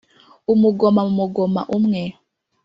Umugoma mu mugoma umwe